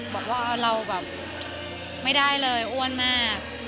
บอกว่าเราแบบไม่ได้เลยอ้วนมาก